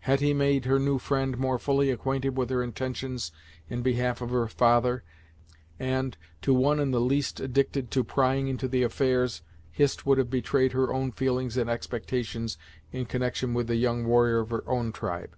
Hetty made her new friend more fully acquainted with her intentions in behalf of her father, and, to one in the least addicted to prying into the affairs, Hist would have betrayed her own feelings and expectations in connection with the young warrior of her own tribe.